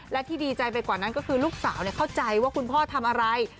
และที่ดีใจไปกว่านั้นก็คือลูกสาวเข้าใจว่าคุณพ่อทำอะไร